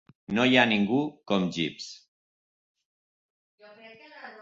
No hi ha ningú com Jeeves.